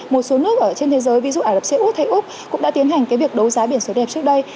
một số nước ở trên thế giới ví dụ ả rập xê út hay úc cũng đã tiến hành cái việc đấu giá biển số đẹp trước đây